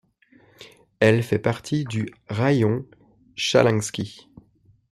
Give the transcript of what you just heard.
Elle fait partie du raïon Chalinski.